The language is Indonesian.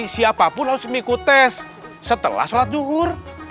siapapun harus mengikuti tes setelah sholat zuhur